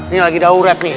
ini lagi daurat nih